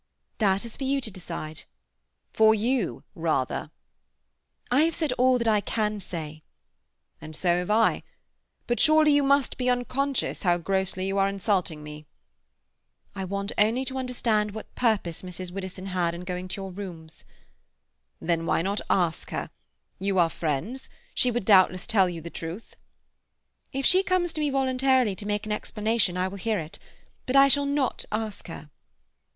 "That is for you to decide." "For you rather." "I have said all that I can say." "And so have I. But surely you must be unconscious how grossly you are insulting me." "I want only to understand what purpose Mrs. Widdowson had in going to your rooms." "Then why not ask her? You are friends. She would doubtless tell you the truth." "If she comes to me voluntarily to make an explanation, I will hear it. But I shall not ask her."